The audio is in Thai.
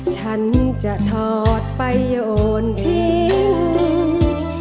ฉันจะถอดไปโอนเพลง